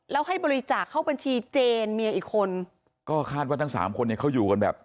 แล้วให้บริจาคเข้าบัญชีเจนเมียอีกคนก็คาดว่าทั้งสามคนเนี่ยเขาอยู่กันแบบ